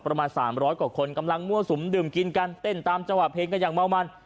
ประมาณ๓๐๐กว่าคนกำลังมั่วสุมดื่มกินกันเต้นตามจังหวะเพลงกันอย่างเมามัน